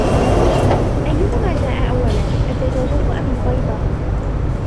أيهما جاء أولاً ، الدجاجة أم البيضة ؟